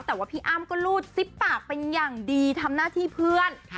แต่ว่าพี่อ้ำก็รูดซิบปากเป็นอย่างดีทำหน้าที่เพื่อน